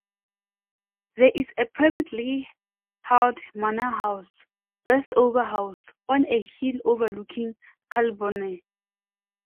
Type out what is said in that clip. There is a privately held manor house, Westover House, on a hill overlooking Calbourne.